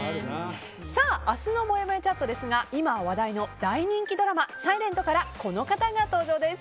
明日のもやもやチャットですが今話題の大人気ドラマ「ｓｉｌｅｎｔ」からこの方が登場です。